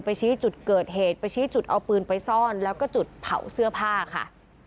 ชี้จุดเกิดเหตุไปชี้จุดเอาปืนไปซ่อนแล้วก็จุดเผาเสื้อผ้าค่ะ